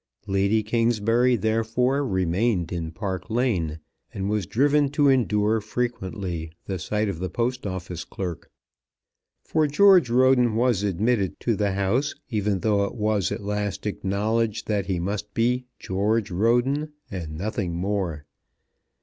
Lady Kingsbury therefore remained in Park Lane, and was driven to endure frequently the sight of the Post Office clerk. For George Roden was admitted to the house even though it was at last acknowledged that he must be George Roden, and nothing more.